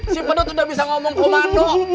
si pedut udah bisa ngomong komando